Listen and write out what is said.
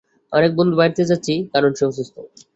আমার এক বন্ধুর বাড়িতে যাচ্ছি, কারণ সে অসুস্থ।